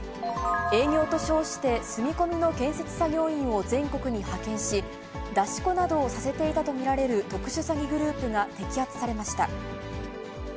営業と称して住み込みの建設作業員を全国に派遣し、出し子などをさせていたと見られる特殊詐欺グループが摘発されました。